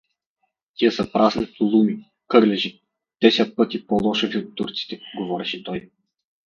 „Тия са празни толуми, кърлежи, десят пъти по-лошави от турците“ — говореше той.